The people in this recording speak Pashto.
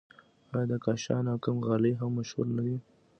آیا د کاشان او قم غالۍ هم مشهورې نه دي؟